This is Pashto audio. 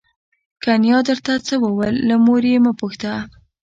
که نیا درته څه وویل له مور یې مه پوښته.